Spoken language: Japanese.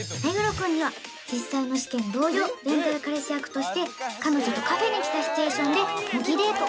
君には実際の試験同様レンタル彼氏役として彼女とカフェに来たシチュエーションで模擬デート